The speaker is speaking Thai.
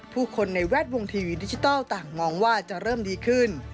ผู้คนในแวดวงทีวีดิจิทัลต่างมองว่าจะเริ่มดีขึ้น